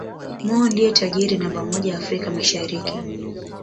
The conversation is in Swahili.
Mo ndiye tajiri namba moja Afrika Mashariki